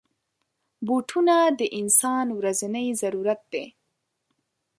بوټونه د انسان ورځنی ضرورت دی.